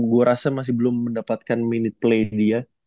gue rasa masih belum mendapatkan minute play dia